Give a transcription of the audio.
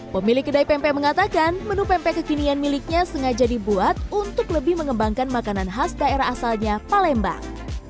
pemilik kedai pempek mengatakan menu pempek kekinian miliknya sengaja dibuat untuk lebih mengembangkan makanan khas daerah asalnya palembang